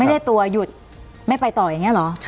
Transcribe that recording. ได้ตัวหยุดไม่ไปต่ออย่างนี้เหรอ